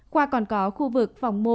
qua còn có khu vực phòng mổ